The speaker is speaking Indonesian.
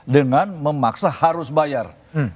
dengan memaksa harus bayar